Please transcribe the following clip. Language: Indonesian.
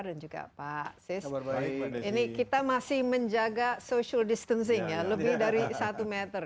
dan juga pak sis ini kita masih menjaga social distancing ya lebih dari satu meter